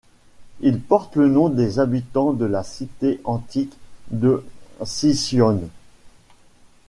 Il porte le nom des habitants de la cité antique de Sicyone.